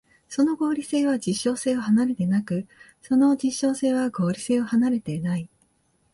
その合理性は実証性を離れてなく、その実証性は合理性を離れてない。